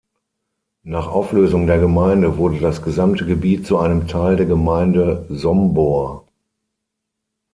Nach Auflösung der Gemeinde wurde das gesamte Gebiet zu einem Teil der Gemeinde Sombor.